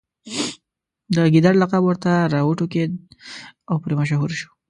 د ګیدړ لقب ورته راوټوکېد او پرې مشهور شو.